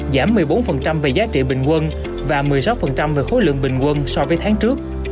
giảm một mươi bốn về giá trị bình quân và một mươi sáu về khối lượng bình quân so với tháng trước